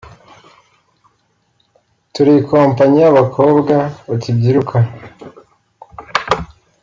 turi ikompanyi y’abakobwa bakibyiruka